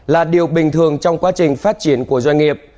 là điều bình thường trong quá trình phát triển của doanh nghiệp